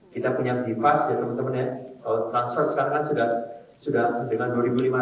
kita punya bipas ya teman teman ya transfer sekarang kan sudah dengan dua lima ratus itu dengan cepat